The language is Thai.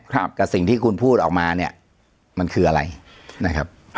กับสิ่งที่คุณพูดออกมาเนี่ยมันคืออะไรนะครับ